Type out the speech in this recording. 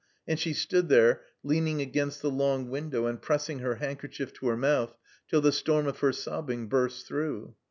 And she stood there, leaning against the long window and pressing her handkerchief to her mouth till the storm of her sobbing burst through.